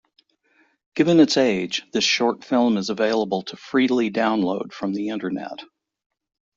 Given its age, this short film is available to freely download from the Internet.